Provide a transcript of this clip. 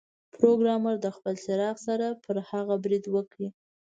پروګرامر د خپل څراغ سره پر هغه برید وکړ